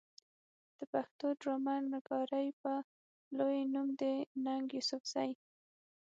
د پښتو ډرامه نګارۍ يو لوئې نوم دی ننګ يوسفزۍ